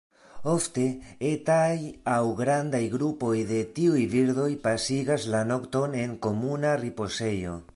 Ofte etaj aŭ grandaj grupoj de tiuj birdoj pasigas la nokton en komuna ripozejo.